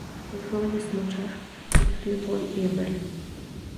El joven Schumacher estudió en Bonn y en Berlín.